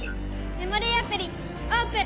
メモリーアプリオープン！